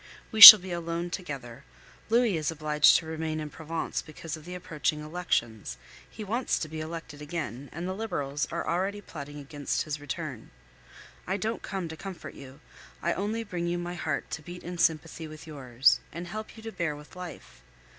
We shall be alone together. Louis is obliged to remain in Provence because of the approaching elections. He wants to be elected again, and the Liberals are already plotting against his return. I don't come to comfort you; I only bring you my heart to beat in sympathy with yours, and help you to bear with life.